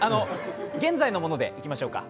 現在のものでいきましょうか。